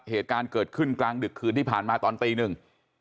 เหตุการณ์เกิดขึ้นกลางดึกคืนที่ผ่านมาตอนตีหนึ่ง